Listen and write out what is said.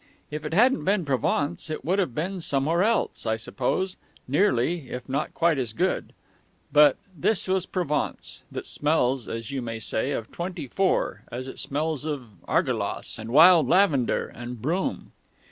If it hadn't been Provence, it would have been somewhere else, I suppose, nearly, if not quite as good; but this was Provence, that smells (as you might say) of twenty four as it smells of argelasse and wild lavender and broom....